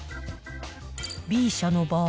Ｂ社の場合。